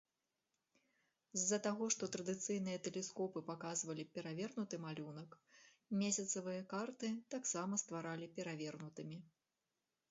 З-за таго, што традыцыйныя тэлескопы паказвалі перавернуты малюнак, месяцавыя карты таксама стваралі перавернутымі.